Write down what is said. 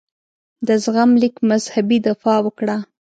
د زغم لیک مذهبي دفاع وکړه.